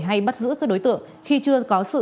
hay bắt giữ các đối tượng khi chưa có sự